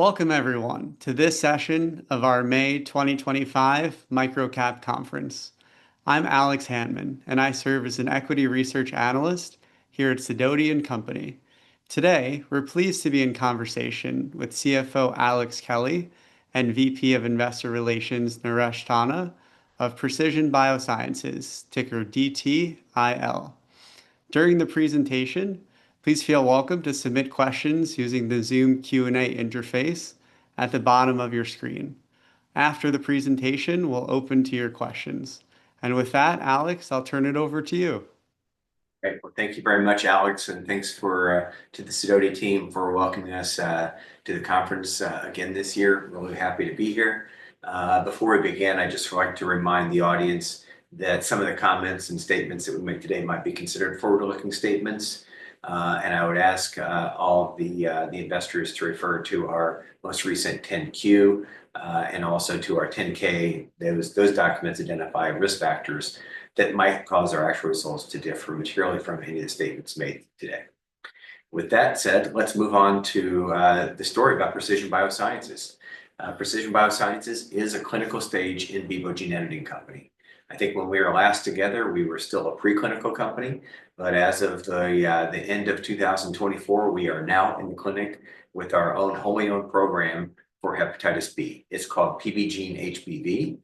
Welcome, everyone, to this session of our May 2025 MicroCap Conference. I'm Alex Hantman, and I serve as an equity research analyst here at Sidoti & Company. Today, we're pleased to be in conversation with CFO Alex Kelly and VP of Investor Relations Naresh Tanna of Precision BioSciences, ticker DTIL. During the presentation, please feel welcome to submit questions using the Zoom Q&A interface at the bottom of your screen. After the presentation, we'll open to your questions. With that, Alex, I'll turn it over to you. Great. Thank you very much, Alex. Thank you to the Sidotti team for welcoming us to the conference again this year. Really happy to be here. Before we begin, I just would like to remind the audience that some of the comments and statements that we make today might be considered forward-looking statements. I would ask all of the investors to refer to our most recent 10Q and also to our 10K. Those documents identify risk factors that might cause our actual results to differ materially from any of the statements made today. With that said, let's move on to the story about Precision BioSciences. Precision BioSciences is a clinical stage in vivo genetic company. I think when we were last together, we were still a preclinical company. As of the end of 2024, we are now in the clinic with our own wholly owned program for hepatitis B. It's called PBGENE-HBV.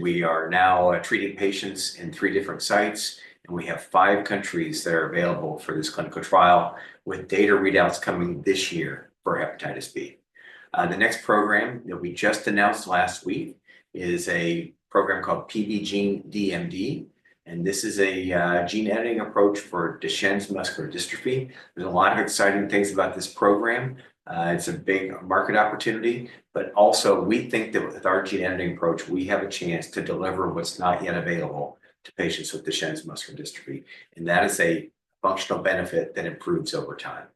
We are now treating patients in three different sites. We have five countries that are available for this clinical trial, with data readouts coming this year for hepatitis B. The next program that we just announced last week is a program called PBGENE-DMD. This is a gene editing approach for Duchenne muscular dystrophy. There's a lot of exciting things about this program. It's a big market opportunity. We think that with our gene editing approach, we have a chance to deliver what's not yet available to patients with Duchenne muscular dystrophy. That is a functional benefit that improves over time.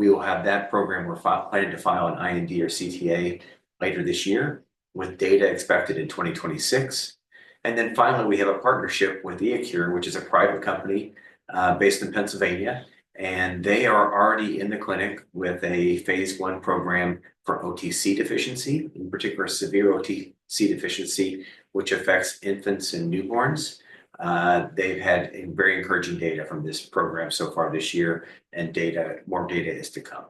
We will have that program. We're planning to file an IND or CTA later this year, with data expected in 2026. Finally, we have a partnership with Eacure, which is a private company based in Pennsylvania. They are already in the clinic with a phase I program for OTC deficiency, in particular, severe OTC deficiency, which affects infants and newborns. They've had very encouraging data from this program so far this year, and more data is to come.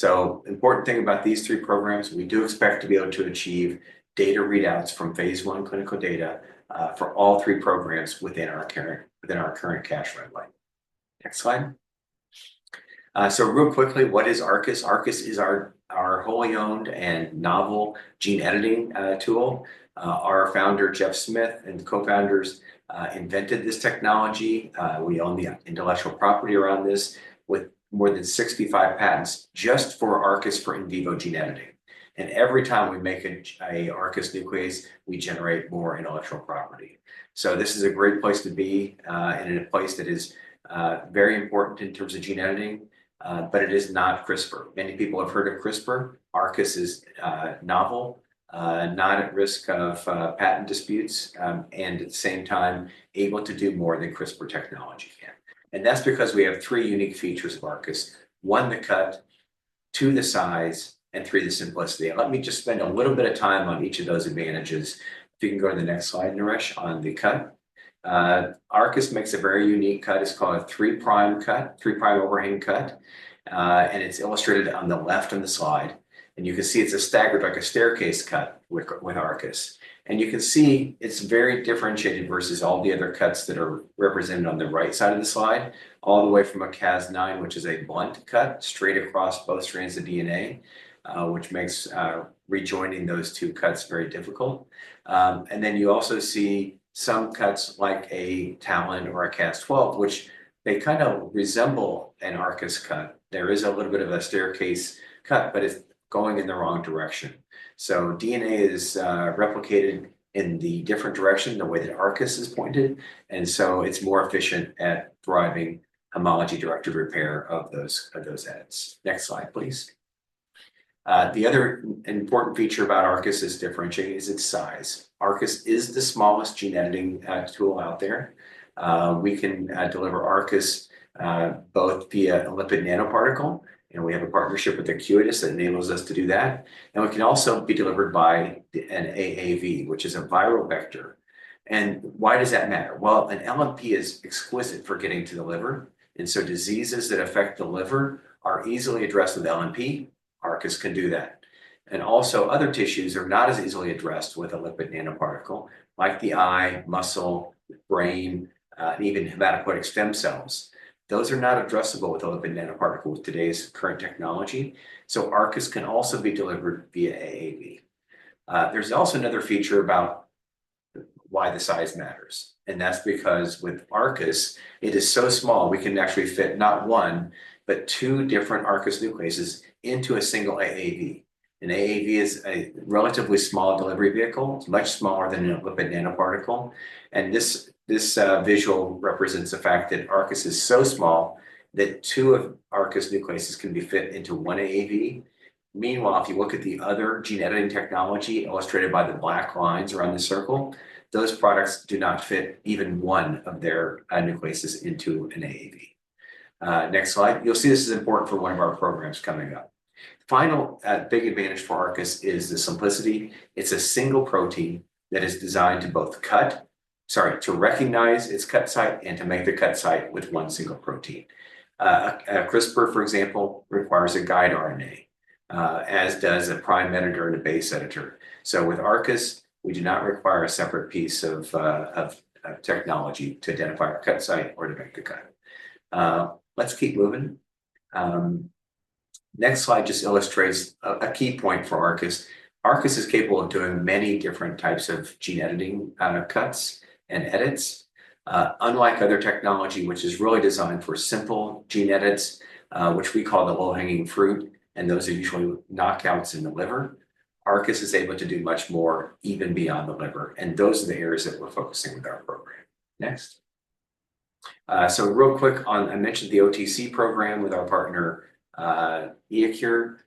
The important thing about these three programs is we do expect to be able to achieve data readouts from phase I clinical data for all three programs within our current cash runway. Next slide. Real quickly, what is ARCUS? ARCUS is our wholly owned and novel gene editing tool. Our founder, Jeff Smith, and co-founders invented this technology. We own the intellectual property around this with more than 65 patents just for ARCUS for in vivo gene editing. Every time we make an ARCUS nuclease, we generate more intellectual property. This is a great place to be and a place that is very important in terms of gene editing. It is not CRISPR. Many people have heard of CRISPR. ARCUS is novel, not at risk of patent disputes, and at the same time, able to do more than CRISPR technology can. That is because we have three unique features of ARCUS: one, the cut; two, the size; and three, the simplicity. Let me just spend a little bit of time on each of those advantages. If you can go to the next slide, Naresh, on the cut. ARCUS makes a very unique cut. It is called a three prime cut, three prime overhang cut. It is illustrated on the left on the slide. You can see it is a staggered, like a staircase cut with ARCUS. You can see it is very differentiated versus all the other cuts that are represented on the right side of the slide, all the way from a Cas9, which is a blunt cut straight across both strands of DNA, which makes rejoining those two cuts very difficult. You also see some cuts like a TALEN or a Cas12, which kind of resemble an ARCUS cut. There is a little bit of a staircase cut, but it is going in the wrong direction. DNA is replicated in the different direction, the way that ARCUS is pointed. It is more efficient at driving homology-directed repair of those edits. Next slide, please. The other important feature about ARCUS that is differentiating is its size. ARCUS is the smallest gene editing tool out there. We can deliver ARCUS both via a lipid nanoparticle. We have a partnership with Acuitas that enables us to do that. It can also be delivered by an AAV, which is a viral vector. Why does that matter? An LNP is exquisite for getting to the liver. Diseases that affect the liver are easily addressed with LNP. ARCUS can do that. Other tissues are not as easily addressed with a lipid nanoparticle, like the eye, muscle, brain, and even hematopoietic stem cells. Those are not addressable with a lipid nanoparticle with today's current technology. ARCUS can also be delivered via AAV. There is also another feature about why the size matters. That is because with ARCUS, it is so small, we can actually fit not one, but two different ARCUS nucleases into a single AAV. An AAV is a relatively small delivery vehicle. It is much smaller than a lipid nanoparticle. This visual represents the fact that ARCUS is so small that two of ARCUS nucleases can be fit into one AAV. Meanwhile, if you look at the other gene editing technology illustrated by the black lines around the circle, those products do not fit even one of their nucleases into an AAV. Next slide. You will see this is important for one of our programs coming up. Final big advantage for ARCUS is the simplicity. It is a single protein that is designed to both cut—sorry, to recognize its cut site and to make the cut site with one single protein. CRISPR, for example, requires a guide RNA, as does a prime editor and a base editor. With ARCUS, we do not require a separate piece of technology to identify our cut site or to make the cut. Let's keep moving. The next slide just illustrates a key point for ARCUS. ARCUS is capable of doing many different types of gene editing cuts and edits. Unlike other technology, which is really designed for simple gene edits, which we call the low-hanging fruit, and those are usually knockouts in the liver, ARCUS is able to do much more even beyond the liver. Those are the areas that we're focusing with our program. Next. Real quick, I mentioned the OTC program with our partner, Eacure,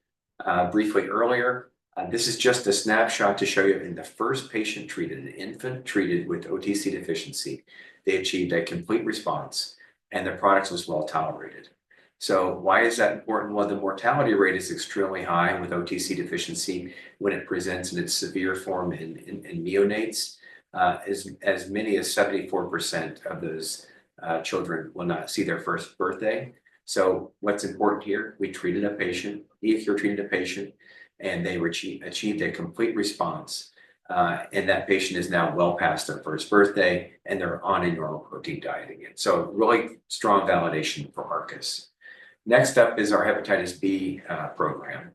briefly earlier. This is just a snapshot to show you in the first patient treated, an infant treated with OTC deficiency. They achieved a complete response, and the product was well tolerated. Why is that important? The mortality rate is extremely high with OTC deficiency when it presents in its severe form in neonates. As many as 74% of those children will not see their first birthday. What's important here? We treated a patient, Eacure treated a patient, and they achieved a complete response. That patient is now well past their first birthday, and they're on a normal protein diet again. Really strong validation for ARCUS. Next up is our hepatitis B program.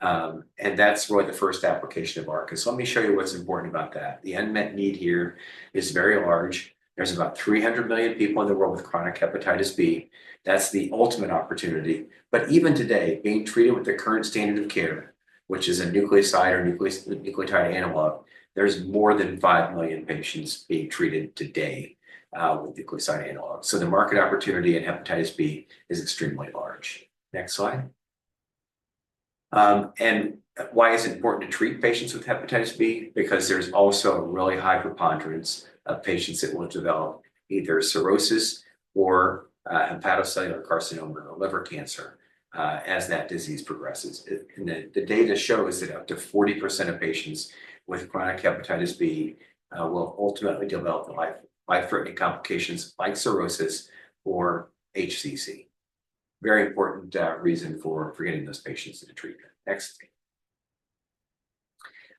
That's really the first application of ARCUS. Let me show you what's important about that. The unmet need here is very large. There's about 300 million people in the world with chronic hepatitis B. That's the ultimate opportunity. Even today, being treated with the current standard of care, which is a nucleoside or nucleotide analog, there are more than 5 million patients being treated today with nucleoside analog. The market opportunity in hepatitis B is extremely large. Next slide. Why is it important to treat patients with hepatitis B? There is also a really high preponderance of patients that will develop either cirrhosis or hepatocellular carcinoma or liver cancer as that disease progresses. The data shows that up to 40% of patients with chronic hepatitis B will ultimately develop life-threatening complications like cirrhosis or HCC. Very important reason for getting those patients into treatment. Next.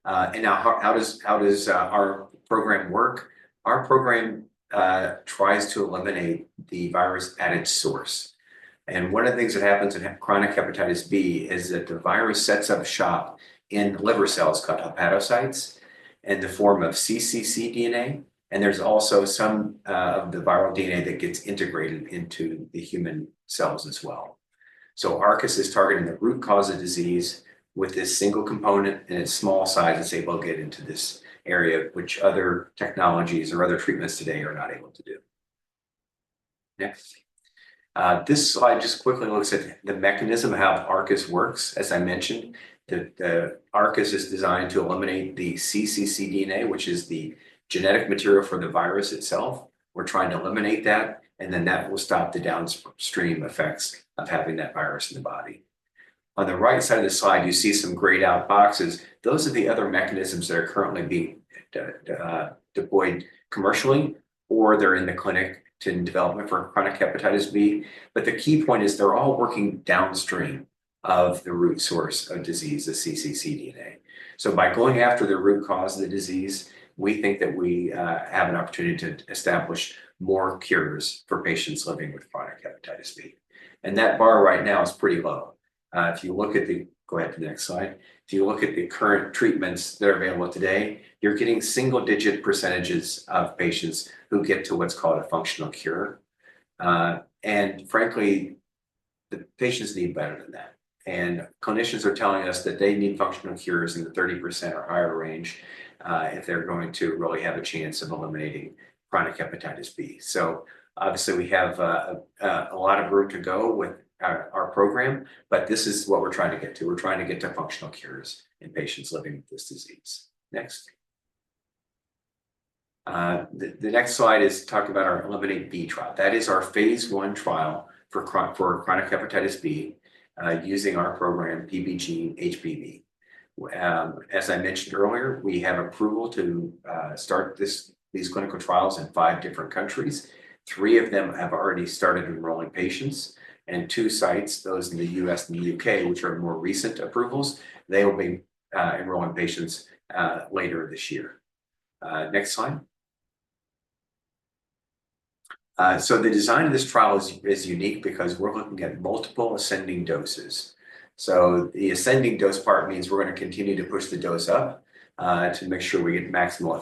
Now, how does our program work? Our program tries to eliminate the virus at its source. One of the things that happens in chronic hepatitis B is that the virus sets up shop in liver cells called hepatocytes in the form of CCC DNA. There is also some of the viral DNA that gets integrated into the human cells as well. Arcus is targeting the root cause of disease with this single component. Its small size is able to get into this area, which other technologies or other treatments today are not able to do. Next. This slide just quickly looks at the mechanism of how Arcus works. As I mentioned, Arcus is designed to eliminate the CCC DNA, which is the genetic material for the virus itself. We are trying to eliminate that. That will stop the downstream effects of having that virus in the body. On the right side of the slide, you see some grayed-out boxes. Those are the other mechanisms that are currently being deployed commercially, or they're in the clinic to development for chronic hepatitis B. The key point is they're all working downstream of the root source of disease, the CCC DNA. By going after the root cause of the disease, we think that we have an opportunity to establish more cures for patients living with chronic hepatitis B. That bar right now is pretty low. If you look at the--go ahead to the next slide. If you look at the current treatments that are available today, you're getting single-digit % of patients who get to what's called a functional cure. Frankly, the patients need better than that. Clinicians are telling us that they need functional cures in the 30% or higher range if they're going to really have a chance of eliminating chronic hepatitis B. Obviously, we have a lot of room to go with our program. But this is what we're trying to get to. We're trying to get to functional cures in patients living with this disease. Next. The next slide is talking about our Eliminate B trial. That is our phase I trial for chronic hepatitis B using our program PBGENE-HBV. As I mentioned earlier, we have approval to start these clinical trials in five different countries. Three of them have already started enrolling patients. Two sites, those in the U.S. and the U.K., which are more recent approvals, will be enrolling patients later this year. Next slide. The design of this trial is unique because we're looking at multiple ascending doses. The ascending dose part means we're going to continue to push the dose up to make sure we get maximal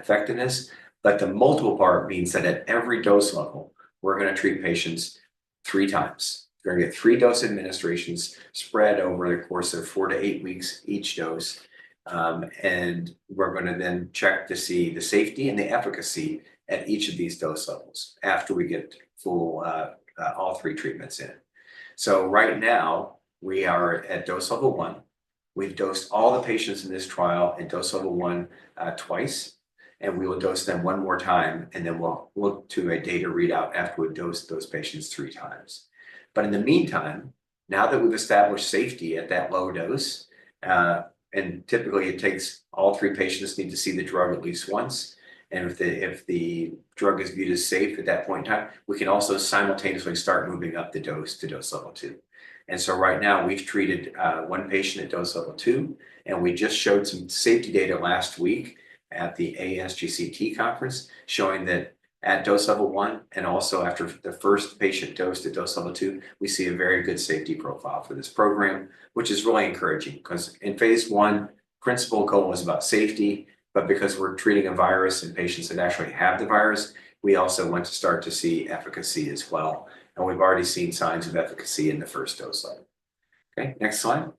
effectiveness. The multiple part means that at every dose level, we're going to treat patients three times. We're going to get three dose administrations spread over the course of four to eight weeks, each dose. We're going to then check to see the safety and the efficacy at each of these dose levels after we get all three treatments in. Right now, we are at dose level one. We've dosed all the patients in this trial at dose level one twice. We will dose them one more time. We will look to a data readout after we've dosed those patients three times. In the meantime, now that we've established safety at that low dose, and typically, it takes all three patients need to see the drug at least once. If the drug is viewed as safe at that point in time, we can also simultaneously start moving up the dose to dose level two. Right now, we've treated one patient at dose level two. We just showed some safety data last week at the ASGCT conference showing that at dose level one and also after the first patient dosed at dose level two, we see a very good safety profile for this program, which is really encouraging because in phase one, principal goal was about safety. Because we're treating a virus and patients that actually have the virus, we also want to start to see efficacy as well. We've already seen signs of efficacy in the first dose level. Okay. Next slide.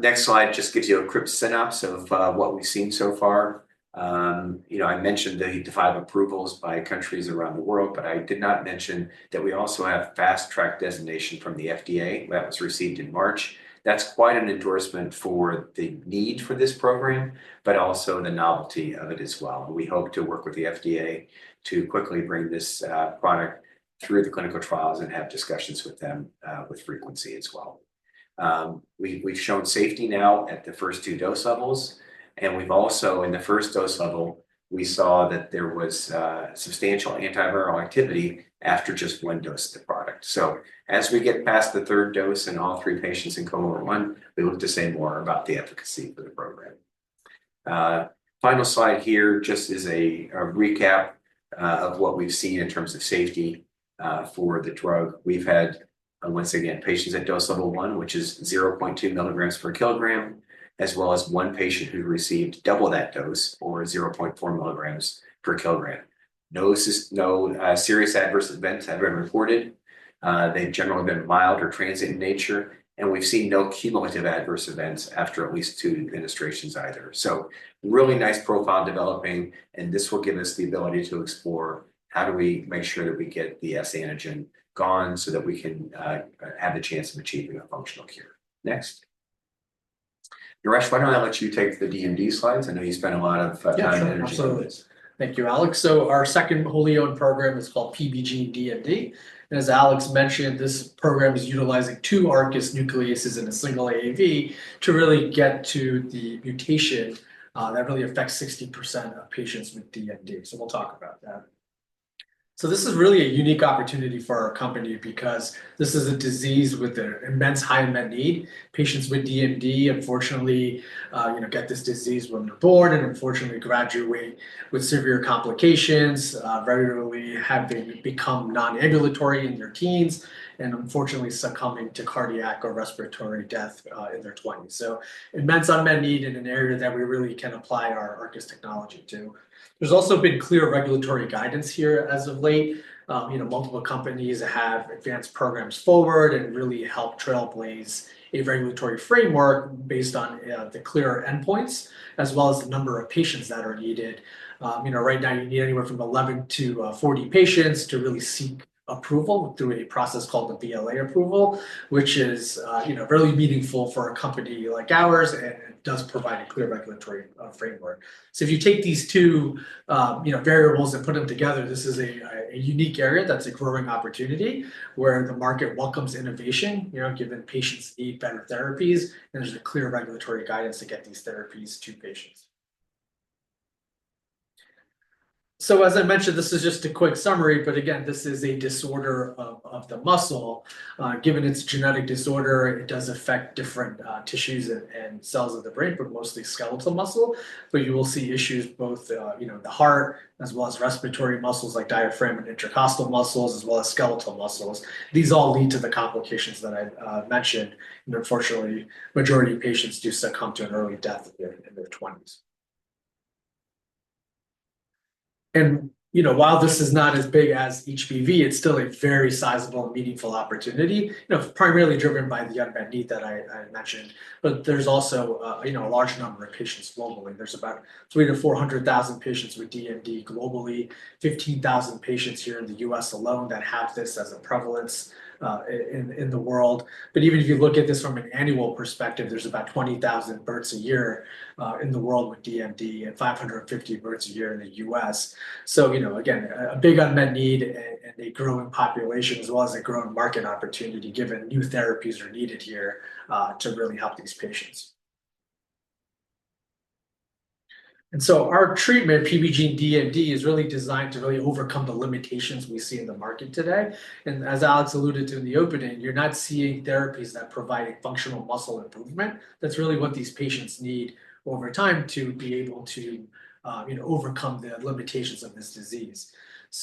Next slide just gives you a quick synopsis of what we've seen so far. I mentioned the five approvals by countries around the world, but I did not mention that we also have fast-track designation from the FDA that was received in March. That is quite an endorsement for the need for this program, but also the novelty of it as well. We hope to work with the FDA to quickly bring this product through the clinical trials and have discussions with them with frequency as well. We have shown safety now at the first two dose levels. We have also, in the first dose level, seen that there was substantial antiviral activity after just one dose of the product. As we get past the third dose in all three patients in cohort one, we look to say more about the efficacy for the program. Final slide here just is a recap of what we have seen in terms of safety for the drug. We've had, once again, patients at dose level one, which is 0.2 milligrams per kilogram, as well as one patient who received double that dose or 0.4 milligrams per kilogram. No serious adverse events have been reported. They've generally been mild or transient in nature. We've seen no cumulative adverse events after at least two administrations either. Really nice profile developing. This will give us the ability to explore how do we make sure that we get the S-Antigen gone so that we can have the chance of achieving a functional cure. Next. Naresh, why don't I let you take the DMD slides? I know you spent a lot of time and energy on this. Thank you, Alex. Our second wholly owned program is called PBGENE-DMD. As Alex mentioned, this program is utilizing two ARCUS nucleases in a single AAV to really get to the mutation that affects 60% of patients with DMD. We will talk about that. This is really a unique opportunity for our company because this is a disease with an immense high unmet need. Patients with DMD, unfortunately, get this disease when they are born and unfortunately graduate with severe complications, regularly have them become non-ambulatory in their teens, and unfortunately succumbing to cardiac or respiratory death in their 20s. Immense unmet need in an area that we really can apply our ARCUS technology to. There has also been clear regulatory guidance here as of late. Multiple companies have advanced programs forward and really help trailblaze a regulatory framework based on the clearer endpoints, as well as the number of patients that are needed. Right now, you need anywhere from 11-40 patients to really seek approval through a process called the BLA approval, which is really meaningful for a company like ours and does provide a clear regulatory framework. If you take these two variables and put them together, this is a unique area that's a growing opportunity where the market welcomes innovation, given patients need better therapies, and there's a clear regulatory guidance to get these therapies to patients. As I mentioned, this is just a quick summary. Again, this is a disorder of the muscle. Given its genetic disorder, it does affect different tissues and cells of the brain, but mostly skeletal muscle. You will see issues both the heart as well as respiratory muscles like diaphragm and intercostal muscles as well as skeletal muscles. These all lead to the complications that I mentioned. Unfortunately, the majority of patients do succumb to an early death in their 20s. While this is not as big as HBV, it is still a very sizable and meaningful opportunity, primarily driven by the unmet need that I mentioned. There is also a large number of patients globally. There are about 300,000-400,000 patients with DMD globally, 15,000 patients here in the U.S. alone that have this as a prevalence in the world. Even if you look at this from an annual perspective, there are about 20,000 births a year in the world with DMD and 550 births a year in the U.S. Again, a big unmet need and a growing population as well as a growing market opportunity given new therapies are needed here to really help these patients. Our treatment, PBGENE-DMD, is really designed to really overcome the limitations we see in the market today. As Alex alluded to in the opening, you're not seeing therapies that provide functional muscle improvement. That's really what these patients need over time to be able to overcome the limitations of this disease.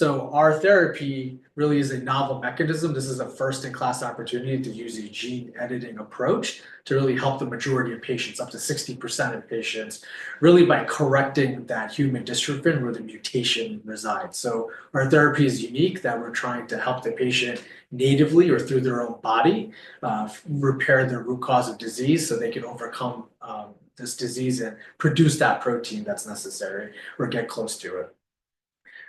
Our therapy really is a novel mechanism. This is a first-in-class opportunity to use a gene editing approach to really help the majority of patients, up to 60% of patients, really by correcting that human dystrophin where the mutation resides. Our therapy is unique that we're trying to help the patient natively or through their own body repair their root cause of disease so they can overcome this disease and produce that protein that's necessary or get close to it.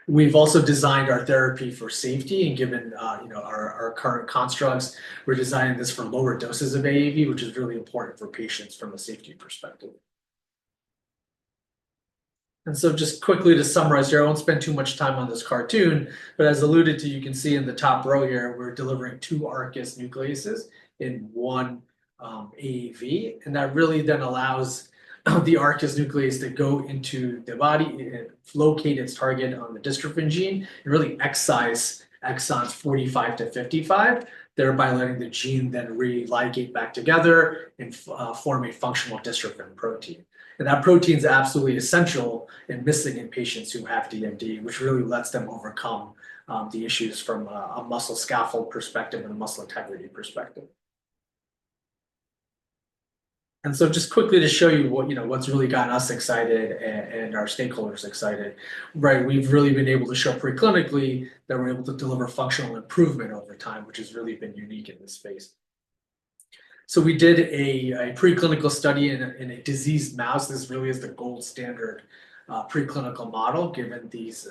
We've also designed our therapy for safety. Given our current constructs, we're designing this for lower doses of AAV, which is really important for patients from a safety perspective. Just quickly to summarize, I won't spend too much time on this cartoon. As alluded to, you can see in the top row here, we're delivering two ARCUS nucleases in one AAV. That really then allows the ARCUS nuclease to go into the body and locate its target on the dystrophin gene and really excise exons 45-55, thereby letting the gene then re-ligate back together and form a functional dystrophin protein. That protein is absolutely essential and missing in patients who have DMD, which really lets them overcome the issues from a muscle scaffold perspective and a muscle integrity perspective. Just quickly to show you what has really gotten us excited and our stakeholders excited, right, we have really been able to show preclinically that we are able to deliver functional improvement over time, which has really been unique in this space. We did a preclinical study in a diseased mouse. This really is the gold standard preclinical model given these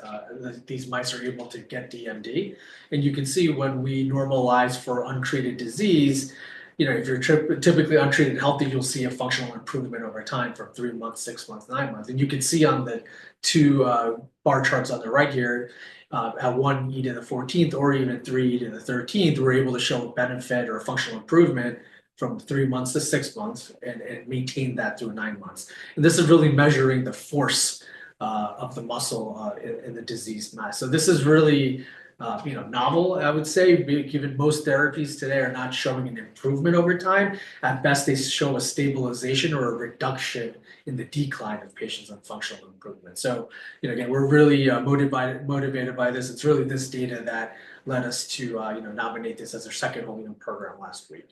mice are able to get DMD. You can see when we normalize for untreated disease, if you are typically untreated and healthy, you will see a functional improvement over time from three months, six months, nine months. You can see on the two bar charts on the right here, at 1e14 or even 3e13, we are able to show a benefit or a functional improvement from three months to six months and maintain that through nine months. This is really measuring the force of the muscle in the diseased mouse. This is really novel, I would say, given most therapies today are not showing an improvement over time. At best, they show a stabilization or a reduction in the decline of patients' functional improvement. Again, we're really motivated by this. It's really this data that led us to nominate this as our second wholly owned program last week.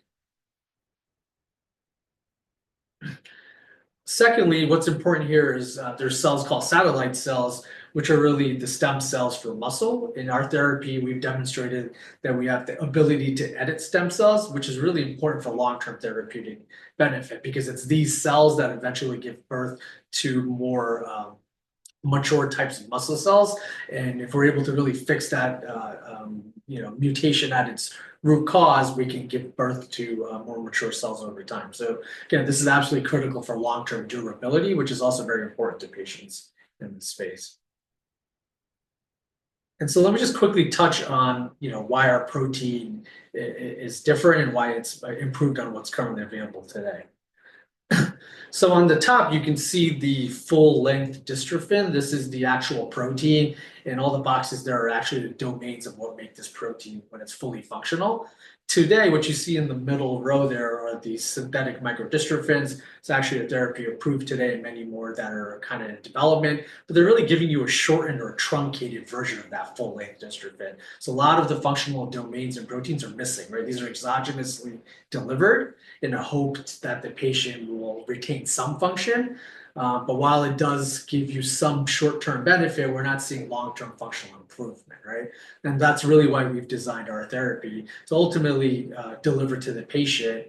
Secondly, what's important here is there are cells called satellite cells, which are really the stem cells for muscle. In our therapy, we've demonstrated that we have the ability to edit stem cells, which is really important for long-term therapeutic benefit because it's these cells that eventually give birth to more mature types of muscle cells. If we're able to really fix that mutation at its root cause, we can give birth to more mature cells over time. This is absolutely critical for long-term durability, which is also very important to patients in this space. Let me just quickly touch on why our protein is different and why it's improved on what's currently available today. On the top, you can see the full-length dystrophin. This is the actual protein. All the boxes there are actually the domains of what make this protein when it's fully functional. Today, what you see in the middle row, there are the synthetic microdystrophins. It's actually a therapy approved today and many more that are kind of in development. They're really giving you a shortened or truncated version of that full-length dystrophin. A lot of the functional domains and proteins are missing, right? These are exogenously delivered in a hope that the patient will retain some function. While it does give you some short-term benefit, we're not seeing long-term functional improvement, right? That is really why we've designed our therapy to ultimately deliver to the patient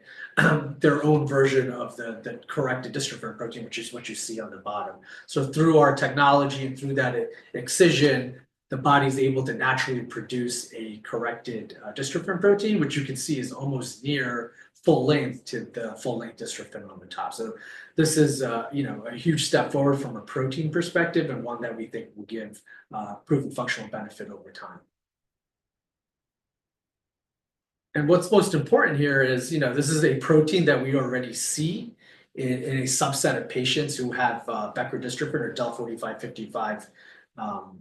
their own version of the corrected dystrophin protein, which is what you see on the bottom. Through our technology and through that excision, the body is able to naturally produce a corrected dystrophin protein, which you can see is almost near full-length to the full-length dystrophin on the top. This is a huge step forward from a protein perspective and one that we think will give proven functional benefit over time. What's most important here is this is a protein that we already see in a subset of patients who have Becker dystrophin or Del 4555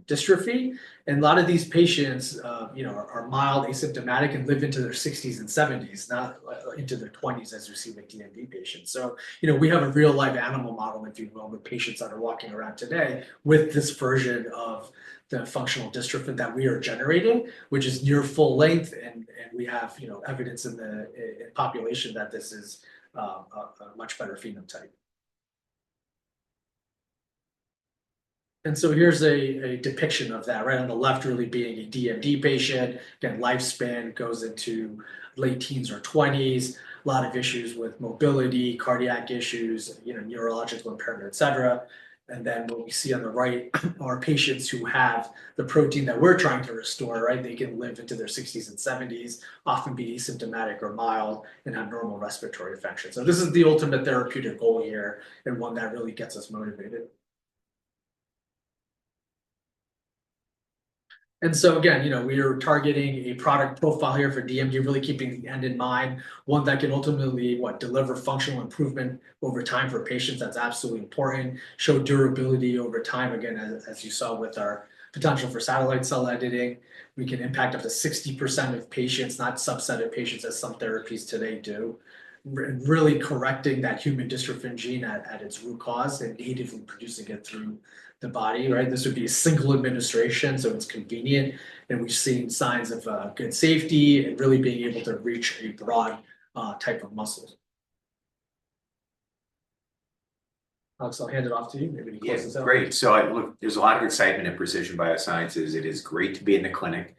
dystrophy. A lot of these patients are mild, asymptomatic, and live into their 60s and 70s, not into their 20s as you see with DMD patients. We have a real-life animal model, if you will, with patients that are walking around today with this version of the functional dystrophin that we are generating, which is near full-length. We have evidence in the population that this is a much better phenotype. Here's a depiction of that, right? On the left, really being a DMD patient. Again, lifespan goes into late teens or 20s, a lot of issues with mobility, cardiac issues, neurological impairment, etc. What we see on the right are patients who have the protein that we're trying to restore, right? They can live into their 60s and 70s, often be asymptomatic or mild and have normal respiratory function. This is the ultimate therapeutic goal here and one that really gets us motivated. Again, we are targeting a product profile here for DMD, really keeping the end in mind, one that can ultimately deliver functional improvement over time for patients. That's absolutely important. Show durability over time. Again, as you saw with our potential for satellite cell editing, we can impact up to 60% of patients, not subset of patients as some therapies today do, and really correcting that human dystrophin gene at its root cause and natively producing it through the body, right? This would be a single administration, so it's convenient. We've seen signs of good safety and really being able to reach a broad type of muscle. Alex, I'll hand it off to you. Maybe you can close this out. Great. There is a lot of excitement in Precision BioSciences. It is great to be in the clinic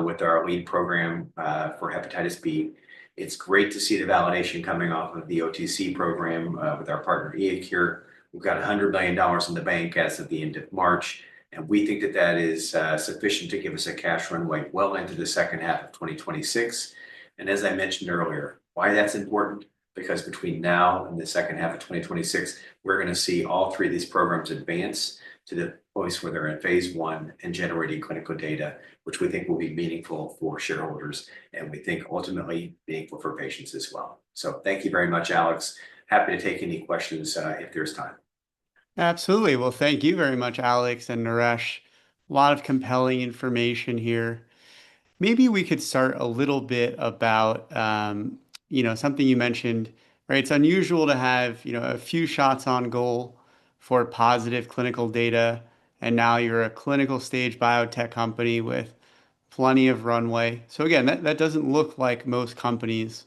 with our lead program for hepatitis B. It is great to see the validation coming off of the OTC program with our partner, Eacure. We've got $100 million in the bank as of the end of March. We think that that is sufficient to give us a cash runway well into the second half of 2026. As I mentioned earlier, why that's important? Because between now and the second half of 2026, we're going to see all three of these programs advance to the place where they're in phase I and generating clinical data, which we think will be meaningful for shareholders and we think ultimately meaningful for patients as well. Thank you very much, Alex. Happy to take any questions if there's time. Absolutely. Thank you very much, Alex and Naresh. A lot of compelling information here. Maybe we could start a little bit about something you mentioned, right? It's unusual to have a few shots on goal for positive clinical data. Now you're a clinical stage biotech company with plenty of runway. Again, that doesn't look like most companies.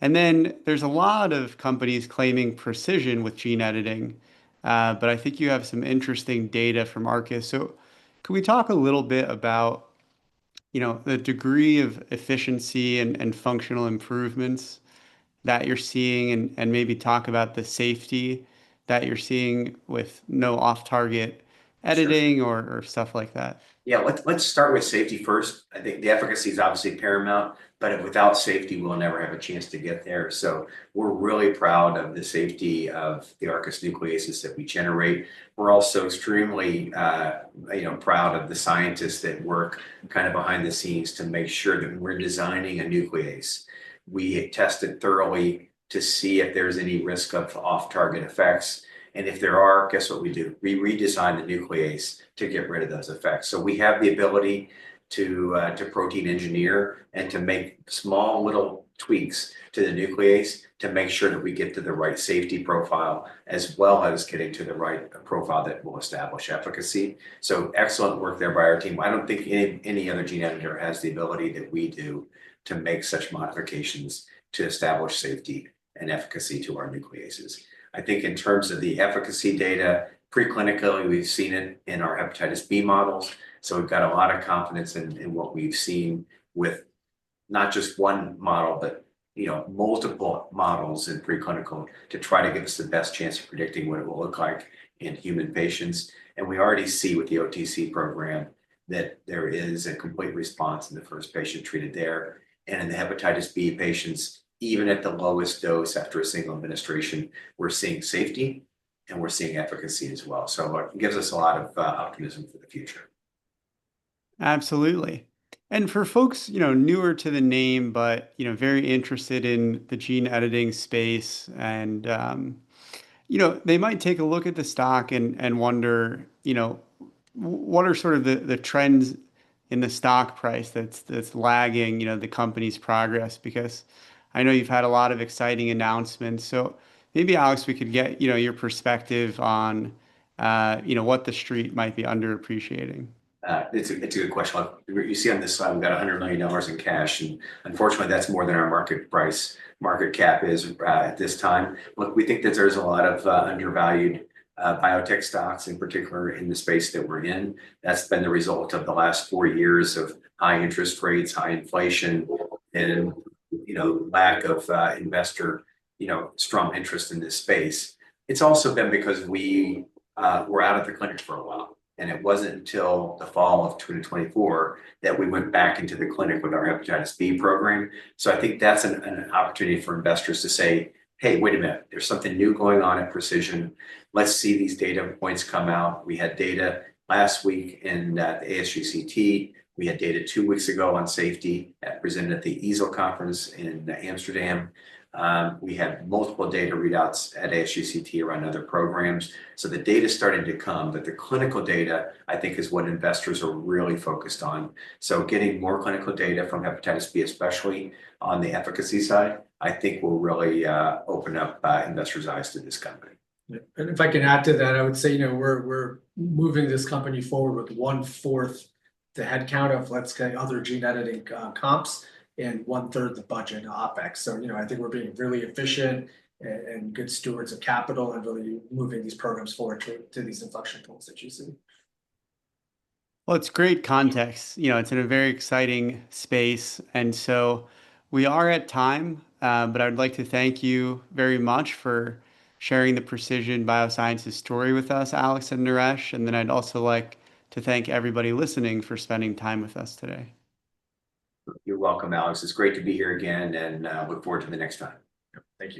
There are a lot of companies claiming precision with gene editing. I think you have some interesting data from ARCUS. Could we talk a little bit about the degree of efficiency and functional improvements that you're seeing and maybe talk about the safety that you're seeing with no off-target editing or stuff like that? Yeah, let's start with safety first. I think the efficacy is obviously paramount, but without safety, we'll never have a chance to get there. We're really proud of the safety of the ARCUS nucleases that we generate. We're also extremely proud of the scientists that work kind of behind the scenes to make sure that when we're designing a nuclease, we test it thoroughly to see if there's any risk of off-target effects. If there are, guess what we do? We redesign the nuclease to get rid of those effects. We have the ability to protein engineer and to make small little tweaks to the nuclease to make sure that we get to the right safety profile as well as getting to the right profile that will establish efficacy. Excellent work there by our team. I do not think any other gene editor has the ability that we do to make such modifications to establish safety and efficacy to our nucleases. I think in terms of the efficacy data, preclinically, we have seen it in our hepatitis B models. We have got a lot of confidence in what we have seen with not just one model, but multiple models in preclinical to try to give us the best chance of predicting what it will look like in human patients. We already see with the OTC program that there is a complete response in the first patient treated there. In the hepatitis B patients, even at the lowest dose after a single administration, we're seeing safety and we're seeing efficacy as well. It gives us a lot of optimism for the future. Absolutely. For folks newer to the name, but very interested in the gene editing space, they might take a look at the stock and wonder what are sort of the trends in the stock price that's lagging the company's progress because I know you've had a lot of exciting announcements. Maybe, Alex, we could get your perspective on what the street might be underappreciating. It's a good question. You see on this slide, we've got $100 million in cash. Unfortunately, that's more than our market cap is at this time. We think that there's a lot of undervalued biotech stocks, in particular in the space that we're in. That's been the result of the last four years of high interest rates, high inflation, and lack of investor strong interest in this space. It's also been because we were out of the clinic for a while. It wasn't until the fall of 2024 that we went back into the clinic with our hepatitis B program. I think that's an opportunity for investors to say, "Hey, wait a minute. There's something new going on at Precision. Let's see these data points come out." We had data last week in the ASGCT. We had data two weeks ago on safety that presented at the ESO conference in Amsterdam. We had multiple data readouts at ASGCT around other programs. The data's starting to come, but the clinical data, I think, is what investors are really focused on. Getting more clinical data from hepatitis B, especially on the efficacy side, I think will really open up investors' eyes to this company. If I can add to that, I would say we're moving this company forward with one-fourth the headcount of, let's say, other gene editing comps and one-third the budget of OpEx. I think we're being really efficient and good stewards of capital and really moving these programs forward to these inflection points that you see. It's great context. It's in a very exciting space. We are at time, but I'd like to thank you very much for sharing the Precision BioSciences story with us, Alex and Naresh. I'd also like to thank everybody listening for spending time with us today. You're welcome, Alex. It's great to be here again and look forward to the next time. Thank you.